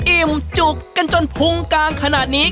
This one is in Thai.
อิ่มจุกกันจนพุงกลางขนาดนี้